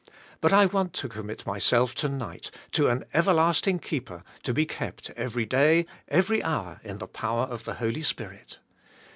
But I want to commit myself, to nig"ht, to an everlasting keeper to be kept every day, every hour, in the power of the Holy Spirit."